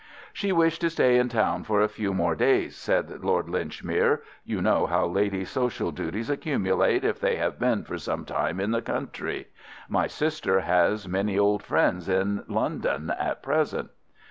"She wished to stay in town for a few more days," said Lord Linchmere. "You know how ladies' social duties accumulate if they have been for some time in the country. My sister has many old friends in London at present."